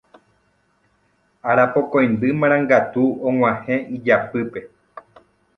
Arapokõindy Marangatu og̃uahẽ ijapýpe